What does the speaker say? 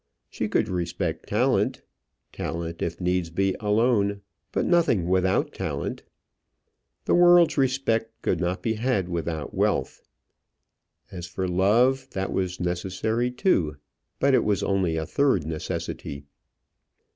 She could respect talent talent if needs be alone but nothing without talent. The world's respect could not be had without wealth. As for love, that was necessary too; but it was only a third necessity.